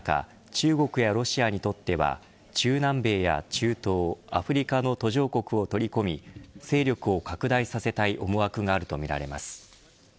中国やロシアにとっては中南米や中東アフリカの途上国を取り込み勢力を拡大させたい思惑があるとみられます。